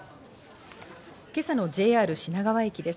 今朝のＪＲ品川駅です。